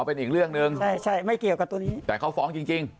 เป็นอีกเรื่องหนึ่งใช่ใช่ไม่เกี่ยวกับตัวนี้แต่เขาฟ้องจริงจริง